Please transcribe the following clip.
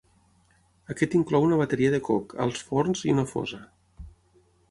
Aquesta inclou una bateria de coc, alts forns i una fosa.